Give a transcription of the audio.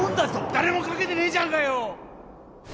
誰も賭けてねえじゃんかよ。